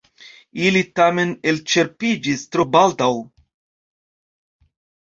Ili tamen elĉerpiĝis tro baldaŭ.